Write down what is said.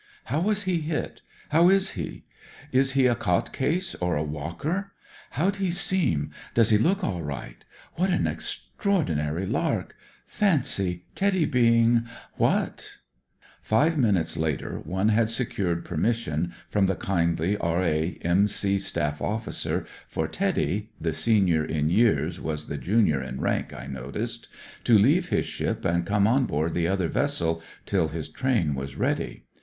How was he hit ? How is he ? Is he a cot case or a walker? How'd he seem ? Does he look all right ? What an extraordinary lark ! Fancy Teddy being — what ?" Five minutes later one had secured permission from the kindly R.A.M.C. Staff Officer for Teddy "— the senior in years was the junior in rank, I noticed — to leave his ship and come on board the other vessel till his train was ready.